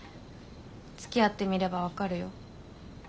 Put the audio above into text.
「つきあってみれば分かるよ」